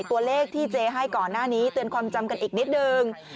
ตัวเลขที่เจ๊ให้ก่อนหน้านี้เตือนความจำกันอีกนิดนึง